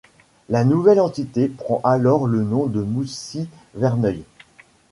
La nouvelle entité prend alors le nom de Moussy-Verneuil.